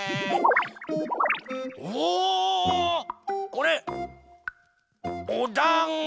これおだんご！